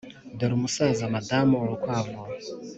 dore umusaza madamu urukwavu